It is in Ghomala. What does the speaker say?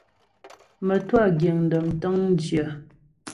Mə́twâ giŋ dəm tə̂ŋjyə.